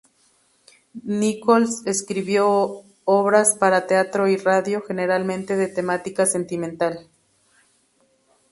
Nichols escribió obras para teatro y radio, generalmente de temática sentimental.